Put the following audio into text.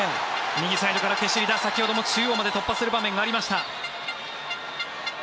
右サイドからケシリダ先ほども中央まで突破する場面がありました。